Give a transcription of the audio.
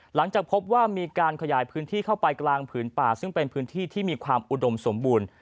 หลังจากพบว่ามีการขยายพื้นที่เข้าไปกลางผืนป่าซึ่งเป็นพื้นที่ที่มีความอุดมสมบูรณ์